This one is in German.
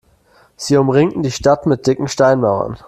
Sie umringten die Stadt mit dicken Steinmauern.